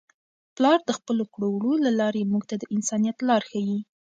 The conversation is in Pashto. پلار د خپلو کړو وړو له لارې موږ ته د انسانیت لار ښيي.